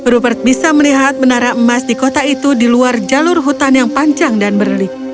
rupert bisa melihat menara emas di kota itu di luar jalur hutan yang panjang dan berlik